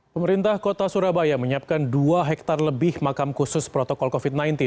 pemerintah kota surabaya menyiapkan dua hektare lebih makam khusus protokol covid sembilan belas